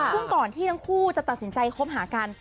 ซึ่งก่อนที่ทั้งคู่จะตัดสินใจคบหากัน